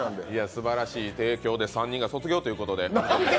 すばらしい、今日で３人が卒業ということで。